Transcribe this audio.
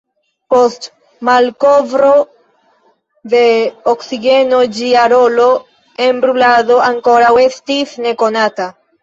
Post malkovro de oksigeno ĝia rolo en brulado ankoraŭ estis nekonata.